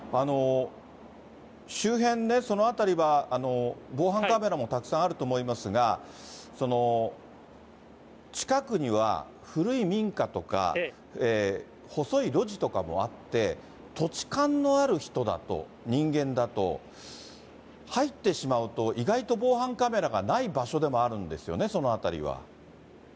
周辺ね、その辺りは防犯カメラもたくさんあると思いますが、近くには古い民家とか細い路地とかもあって、土地勘のある人だと、人間だと、入ってしまうと意外と防犯カメラがない場所でもあるんですよね、その辺りは。